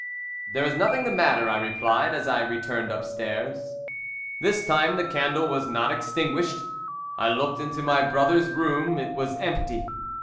"'There is nothing the matter,' I replied, as I returned upstairs. "This time the candle was not extinguished. I looked into my brother's room; it was empty.